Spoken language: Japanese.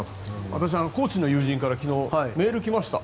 私、高知の友人から昨日メールが来ました。